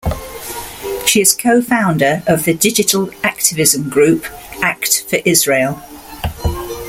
She is co-Founder of the digital activism group Act For Israel.